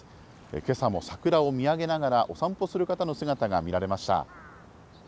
けさも桜を見上げながら、お散歩する方の姿が見られました。